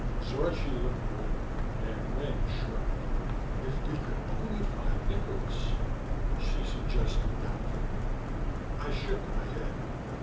Zorchi looked blank, and Rena shrugged. "If we could only find Nikolas " she suggested doubtfully. I shook my head.